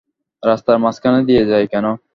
রাস্তার মাঝখান দিয়ে যায় কেন।